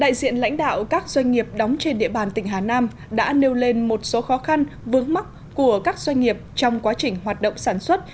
đại diện lãnh đạo các doanh nghiệp đóng trên địa bàn tỉnh hà nam đã nêu lên một số khó khăn vướng mắt của các doanh nghiệp trong quá trình hoạt động sản xuất